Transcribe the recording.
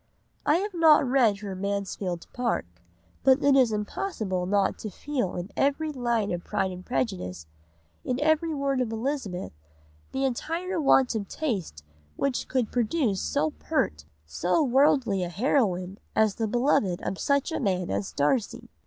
I have not read her Mansfield Park but it is impossible not to feel in every line of Pride and Prejudice, in every word of Elizabeth, the entire want of taste which could produce so pert, so worldly a heroine as the beloved of such a man as Darcy.